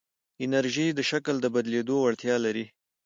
انرژی د شکل بدلېدو وړتیا لري.